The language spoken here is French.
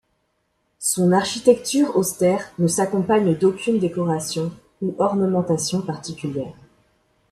Son architecture austère ne s'accompagne d'aucune décoration ou ornementation particulière.